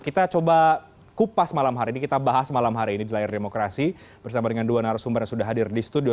kita coba kupas malam hari ini kita bahas malam hari ini di layar demokrasi bersama dengan dua narasumber yang sudah hadir di studio